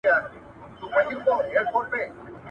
پیغمبر د عدالت تر ټولو لویه بېلګه ده.